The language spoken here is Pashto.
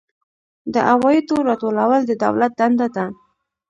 د عوایدو راټولول د دولت دنده ده